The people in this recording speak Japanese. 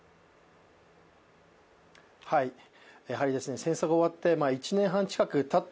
やはり戦争が終わって１年半近くたった